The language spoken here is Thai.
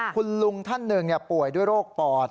คุณลุงท่านหนึ่งป่วยด้วยโรคปอด